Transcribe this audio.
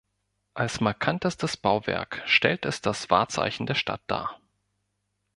Als markantestes Bauwerk stellt es das Wahrzeichen der Stadt dar.